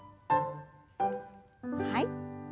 はい。